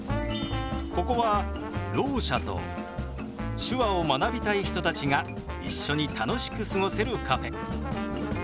ここはろう者と手話を学びたい人たちが一緒に楽しく過ごせるカフェ。